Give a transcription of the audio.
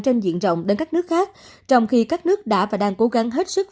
trên diện rộng đến các nước khác trong khi các nước đã và đang cố gắng hết sức